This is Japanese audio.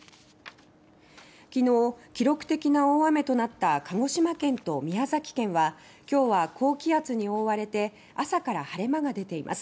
きのう記録的な大雨となった鹿児島県と宮崎県はきょうは高気圧に覆われて朝から晴れ間が出ています。